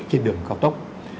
trên đường cao tốc